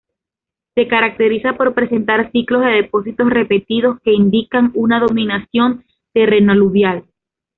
Se caracteriza por presentar ciclos de depósitos repetidos que indican una dominación terreno aluvial.